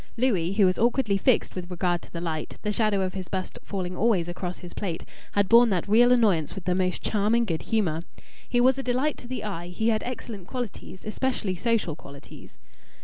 Louis, who was awkwardly fixed with regard to the light, the shadow of his bust falling always across his plate, had borne that real annoyance with the most charming good humour. He was a delight to the eye; he had excellent qualities, especially social qualities.